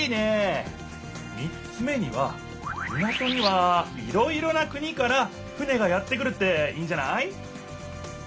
３つ目には港にはいろいろな国から船がやって来るっていいんじゃない？